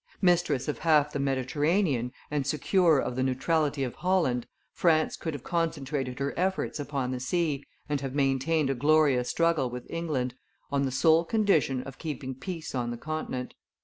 Mistress of half the Mediterranean, and secure of the neutrality of Holland, France could have concentrated her efforts upon the sea, and have maintained a glorious struggle with England, on the sole condition of keeping peace on the Continent.